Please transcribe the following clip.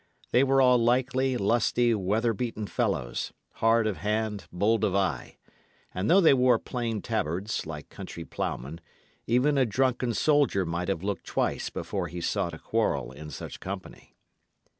They were all likely, lusty, weather beaten fellows, hard of hand, bold of eye; and though they wore plain tabards, like country ploughmen, even a drunken soldier might have looked twice before he sought a quarrel in such company.